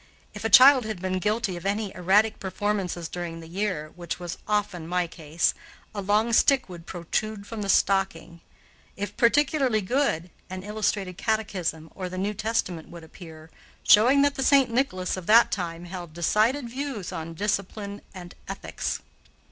If a child had been guilty of any erratic performances during the year, which was often my case, a long stick would protrude from the stocking; if particularly good, an illustrated catechism or the New Testament would appear, showing that the St. Nicholas of that time held decided views on discipline and ethics.